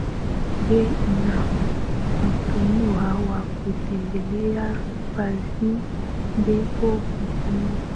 Je unavutiwa na kutembelea fasihi Mtindo Muziki